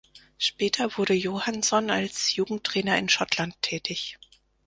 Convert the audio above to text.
Später wurde Johansson als Jugendtrainer in Schottland tätig.